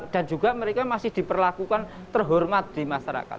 dan juga mereka masih diperlakukan terhormat di masyarakat